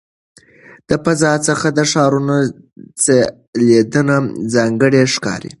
د فضا څخه د ښارونو ځلېدنه ځانګړې ښکاري.